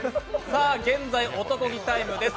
現在、男気タイムです。